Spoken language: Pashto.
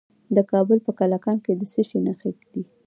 د کابل په کلکان کې د څه شي نښې دي؟